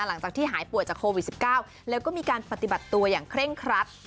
หลังจากที่หายป่วยจากโควิด๑๙แล้วก็มีการปฏิบัติตัวอย่างเคร่งครัด